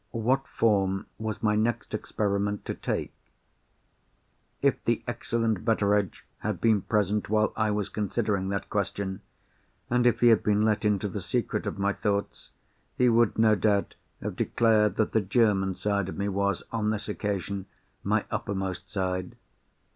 What form was my next experiment to take? If the excellent Betteredge had been present while I was considering that question, and if he had been let into the secret of my thoughts, he would, no doubt, have declared that the German side of me was, on this occasion, my uppermost side.